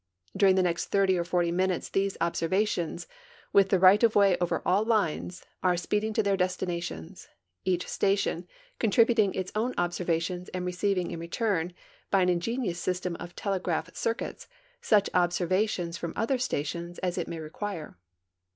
During the next 30 or 40 minutes these observations, with the right of way 68 STORMS AND WEATHER FORECASTS over all lines, are speeding to their destinations, each station contributing its own observations and receiving in return, 1)}' an ingenious system of telegraph circuits, such observations from other stations as it ma}^ require.